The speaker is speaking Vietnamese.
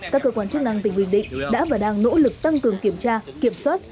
các cơ quan chức năng tỉnh bình định đã và đang nỗ lực tăng cường kiểm tra kiểm soát